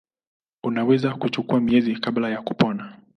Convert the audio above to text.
Unaweza kuchukua miezi kabla ya kupona.